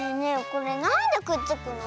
これなんでくっつくの？